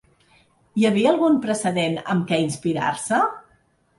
Hi havia algun precedent amb què inspirar-se?